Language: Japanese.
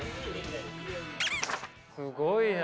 すごいな。